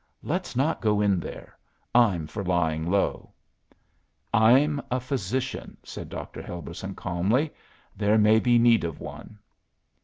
Let's not go in there; I'm for lying low." "I'm a physician," said Dr. Helberson, calmly; "there may be need of one."